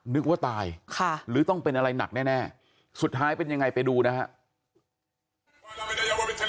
นึกว่าตายหรือต้องเป็นอะไรหนักแน่สุดท้ายเป็นยังไงไปดูนะครับ